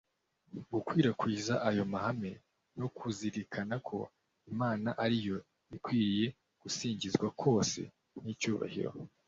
gukwirakwiza ayo mahame no kuzirikana ko imana ari yo ikwiriye gusingizwa kose n'icyubahiro